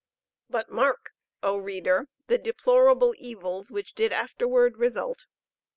But mark, O reader! the deplorable evils which did afterward result.